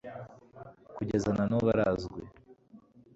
kugeza na n'ubu arazwi